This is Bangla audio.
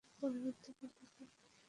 পরবর্তী পদক্ষেপ কী?